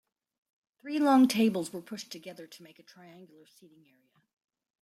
Three long tables were pushed together to make a triangular seating area.